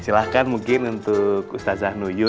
silahkan mungkin untuk ustadz zahnuyuh